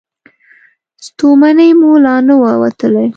ستومني مو لا نه وه وتلې.